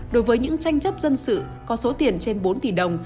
đối với những tranh chấp dân sự có số tiền trên bốn tỷ đồng